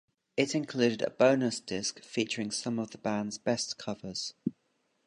It included a bonus disc featuring some of the band's best covers.